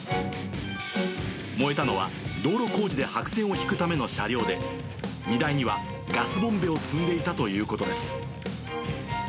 燃えたのは、道路工事で白線を引くための車両で、荷台にはガスボンベを積んでいたということです。